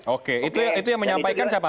oke itu yang menyampaikan siapa